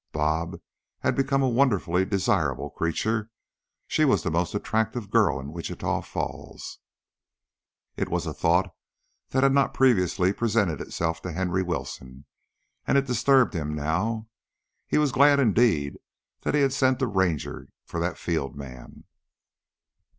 "Bob" had become a wonderfully desirable creature, she was the most attractive girl in Wichita Falls It was a thought that had not previously presented itself to Henry Wilson, and it disturbed him now. He was glad, indeed, that he had sent to Ranger for that field man.